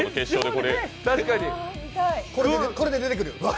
これで出てくる。